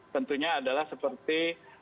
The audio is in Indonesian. tentunya adalah seperti